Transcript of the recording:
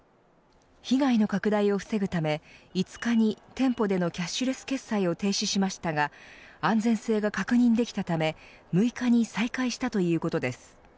被害の拡大を防ぐため５日に、店舗でのキャッシュレス決済を停止しましたが安全性が確認できたため６日に再開したということです。